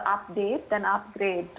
update dan upgrade